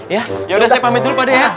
ya udah saya pamit dulu pade ya